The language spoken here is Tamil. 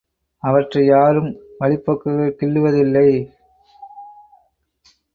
அவற்றை யாரும் வழிப்போக்கர்கள் கிள்ளுவது இல்லை.